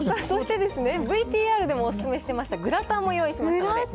そしてですね、ＶＴＲでもお勧めしてました、グラタンも用意してますので。